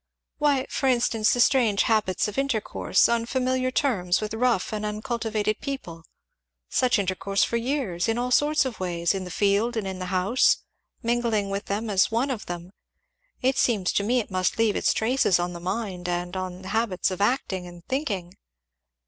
"Why, for instance the strange habits of intercourse, on familiar terms, with rough and uncultivated people, such intercourse for years in all sorts of ways, in the field and in the house, mingling with them as one of them it seems to me it must leave its traces on the mind and on the habits of acting and thinking?"